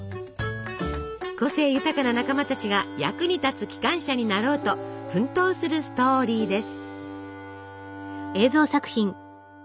個性豊かな仲間たちが役に立つ機関車になろうと奮闘するストーリーです。